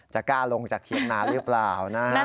กล้าลงจากเถียงนาหรือเปล่านะฮะ